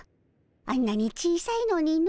あんなに小さいのにの。